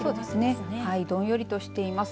どんよりとしています。